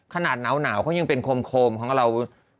ขนาดหนาวเขายังเป็นโคมของเรา